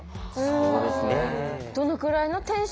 そうですね。